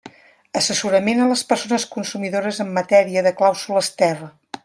Assessorament a les persones consumidores en matèria de clàusules terra.